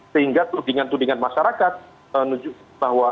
sehingga tudingan tudingan masyarakat menunjukkan bahwa